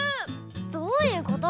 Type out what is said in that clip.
どういうこと？